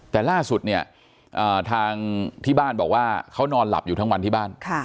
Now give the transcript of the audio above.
แต่ล่าสุดเนี่ยทางที่บ้านบอกว่าเขานอนหลับอยู่ทั้งวันที่บ้าน